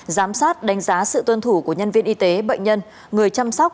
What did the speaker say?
giám sát đánh giá sự tuân thủ của nhân viên y tế bệnh nhân người chăm sóc